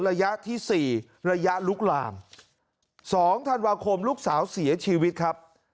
ระยะที่๔ระยะลุกลาม๒ธันวาคมลูกสาวเสียชีวิตครับ